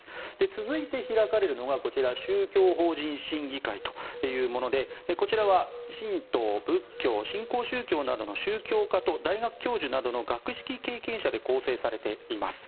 続いて開かれるのがこちら宗教法人審議会というものでこちらは、神道、仏教新興宗教などの宗教家と大学教授などの学識経験者で構成されています。